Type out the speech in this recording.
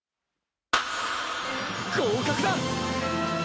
合格だ！！